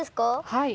はい。